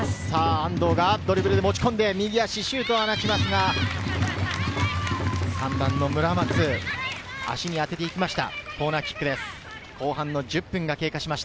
安藤がドリブルで持ち込んで、シュートを放ちますが３番・村松、足に当てていきました、コーナーキックです。